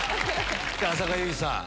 浅香唯さん。